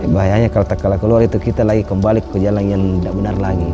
bahayanya kalau tak kalah keluar itu kita lagi kembali ke jalan yang tidak benar lagi